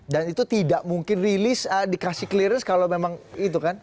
dan itu tidak mungkin rilis dikasih clearance kalau memang itu kan